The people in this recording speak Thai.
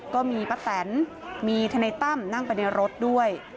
ก็มีป้าแตนมีทนายตั้มนั่งไปในรถด้วย